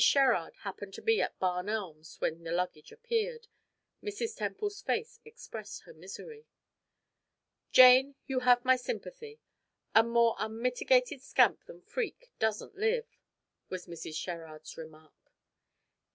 Sherrard happened to be at Barn Elms when the luggage appeared. Mrs. Temple's face expressed her misery. "Jane, you have my sympathy. A more unmitigated scamp than Freke doesn't live," was Mrs. Sherrard's remark.